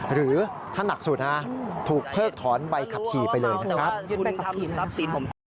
หรือถ้าหนักสุดถูกเพิกถอนใบขับขี่ไปเลยนะครับ